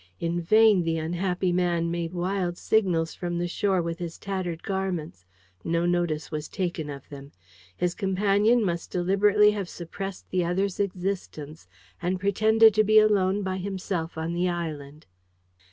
In vain the unhappy man made wild signals from the shore with his tattered garments. No notice was taken of them. His companion must deliberately have suppressed the other's existence, and pretended to be alone by himself on the island.